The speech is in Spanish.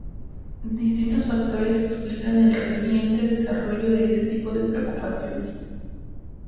Diversos factores explican el reciente desarrollo de este tipo de preocupaciones.